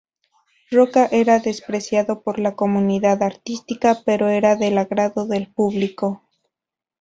Roka era despreciado por la comunidad artística, pero era del agrado del público.